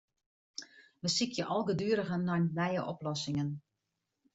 Wy sykje algeduerigen nei nije oplossingen.